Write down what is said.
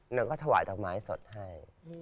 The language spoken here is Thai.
นางก็ถวายดอกไม้สดให้